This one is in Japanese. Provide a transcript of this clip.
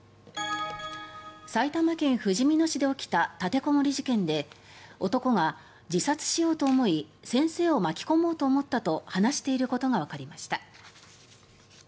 埼玉県ふじみ野市で起きた立てこもり事件で男が、自殺しようと思い先生を巻き込もうと思ったと話していることがわかりました。